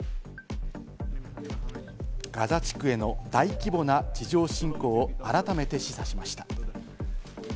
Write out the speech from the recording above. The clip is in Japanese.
ガザ地区への大規模な地上侵攻を改めて示唆しました。